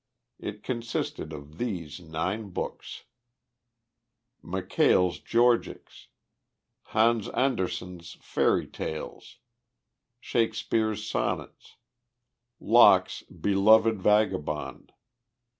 It consisted of these nine books: Mackail's "Georgics." Hans Andersen's Fairy Tales. Shakespeare's Sonnets. Locke's "Beloved Vagabond."